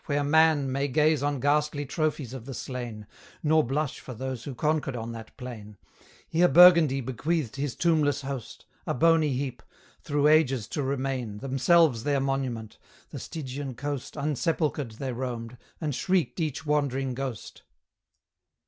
where man May gaze on ghastly trophies of the slain, Nor blush for those who conquered on that plain; Here Burgundy bequeathed his tombless host, A bony heap, through ages to remain, Themselves their monument; the Stygian coast Unsepulchred they roamed, and shrieked each wandering ghost.